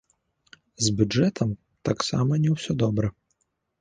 З бюджэтам таксама не ўсё добра.